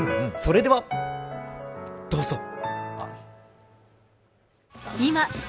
それでは、どうぞ！